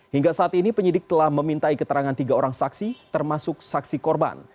hingga saat ini penyidik telah memintai keterangan tiga orang saksi termasuk saksi korban